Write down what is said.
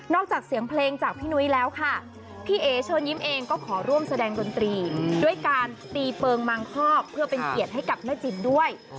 จากเสียงเพลงจากพี่นุ้ยแล้วค่ะพี่เอ๋เชิญยิ้มเองก็ขอร่วมแสดงดนตรีด้วยการตีเปิงมังคอกเพื่อเป็นเกียรติให้กับแม่จิ๋มด้วย